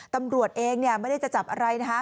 ตำรวจเองไม่ได้จะจับอะไรนะคะ